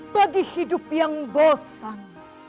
bagi hidup yang bosan